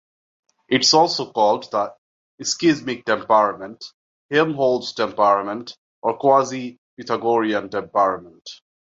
It is also called the schismic temperament, Helmholtz temperament, or quasi-Pythagorean temperament.